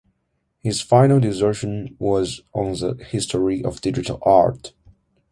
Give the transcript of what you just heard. His final dissertion was on the history of digital art.